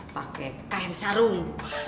pakai kain sarung